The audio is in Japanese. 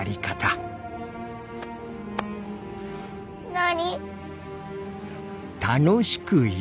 何？